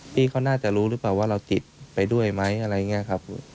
พี่เขาน่าจะรู้หรือเปล่าว่าเราติดไปด้วยไหมอะไรอย่างนี้ครับ